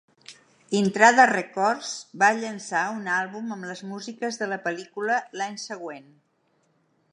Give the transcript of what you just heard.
Intrada Records va llançar un àlbum amb les músiques de la pel·lícula l'any següent.